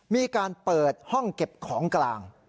มีการเปิดห้องเก็บของกลาง